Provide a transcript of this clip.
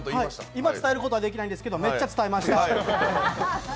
今伝えることはできないんですけど、めっちゃ伝えました！